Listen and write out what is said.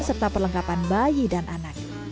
serta perlengkapan bayi dan anak